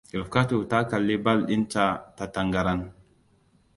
Rifkatu ta kalli bal dinta ta tangaran.